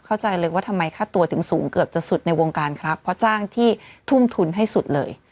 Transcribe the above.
เข้าใจเลยว่าทำไมค่าตัวถึงสูงเกือบจะสุดในวงการครับเพราะจ้างที่ทุ่มทุนให้สุดเลย